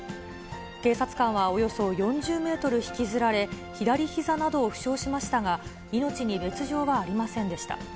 警察官はおよそ４０メートル引きずられ、左ひざなどを負傷しましたが、命に別状はありませんでした。